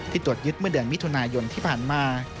ตรวจยึดเมื่อเดือนมิถุนายนที่ผ่านมา